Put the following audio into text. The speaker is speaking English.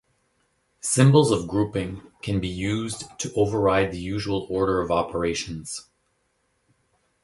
Symbols of grouping can be used to override the usual order of operations.